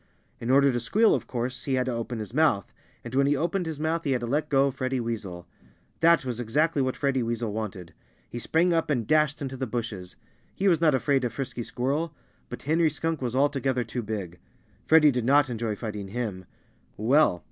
In order to squeal, of course he had to open his mouth. And when he opened his mouth he had to let go of Freddie Weasel. That was exactly what Freddie Weasel wanted. He sprang up and dashed into the bushes. He was not afraid of Frisky Squirrel. But Henry Skunk was altogether too big. Freddie did not enjoy fighting him. Well!